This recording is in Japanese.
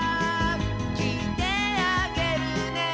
「きいてあげるね」